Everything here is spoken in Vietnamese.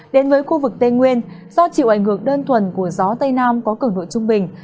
đến với khu vực tây nguyên do chịu ảnh hưởng đơn thuần của gió tây nam có cường độ trung bình